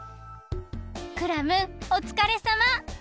クラムおつかれさま。